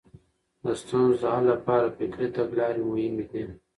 د ستونزو د حل لپاره فکري تګلارې مهمې دي.